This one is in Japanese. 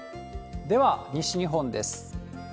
では、西日本です。